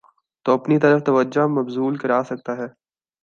تواپنی طرف توجہ مبذول کراسکتاہے۔